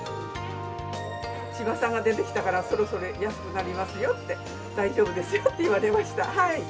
千葉産が出てきたから、そろそろ安くなりますよって、大丈夫ですよって言われました。